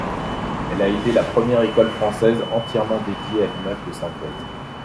Elle a été la première école Française entièrement dédiée à l’image de synthèse.